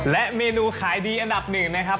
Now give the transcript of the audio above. และเมนูขายดีอันดับหนึ่งนะครับ